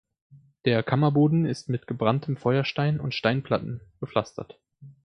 Der Kammerboden ist mit gebranntem Feuerstein und Steinplatten gepflastert.